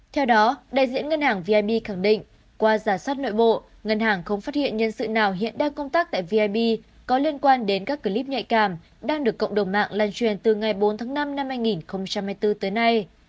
theo đó đại diện ngân hàng vip khẳng định qua giả soát nội bộ ngân hàng không phát hiện nhân sự nào hiện đang công tác tại vib có liên quan đến các clip nhạy cảm đang được cộng đồng mạng lan truyền từ ngày bốn tháng năm năm hai nghìn hai mươi bốn tới nay